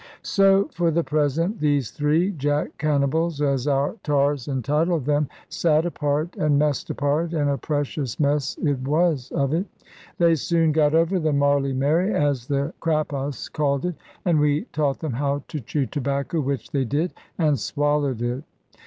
So for the present these three "Jack Cannibals," as our tars entitled them, sate apart and messed apart and a precious mess it was of it. They soon got over the "Marly Mary," as the Crappos call it; and we taught them how to chew tobacco, which they did, and swallowed it.